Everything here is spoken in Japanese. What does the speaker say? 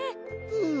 うん！